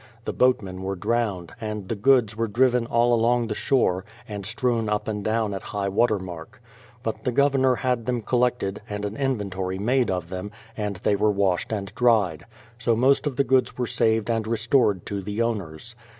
The boatmen were drowned, and the goods were driven all along the shore, and strewn up and down at high water mark. But the Governor had them collected and an inventory made of them, and they were washed and dried. So most of the goods were saved and restored to the owners.